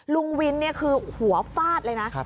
ลุงวินคือหัวฟาดเลยนะ